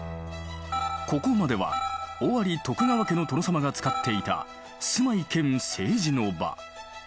ここまでは尾張徳川家の殿様が使っていた住まい兼政治の場。